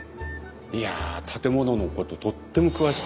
いや建物のこととっても詳しくて。